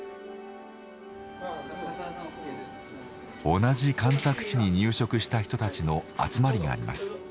同じ干拓地に入植した人たちの集まりがあります。